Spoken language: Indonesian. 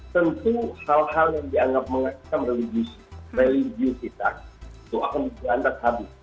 tentu hal hal yang dianggap mengatakan religiusitas itu akan digantak habis